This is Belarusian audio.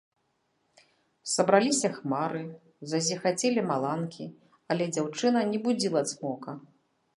Сабраліся хмары, зазіхацелі маланкі, але дзяўчына не будзіла цмока.